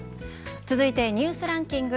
続いてニュースランキング。